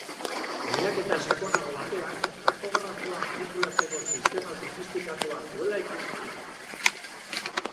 Miaketa sakonago batean, takografoa manipulatzeko sistema sofistikatua zuela ikusi zuten.